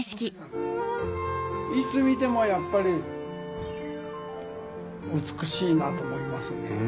いつ見てもやっぱり美しいなと思いますね。